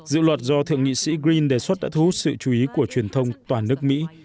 dự luật do thượng nghị sĩ green đề xuất đã thu hút sự chú ý của truyền thông toàn nước mỹ